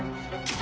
あ！